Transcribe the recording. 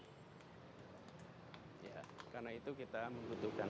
ya karena itu kita membutuhkan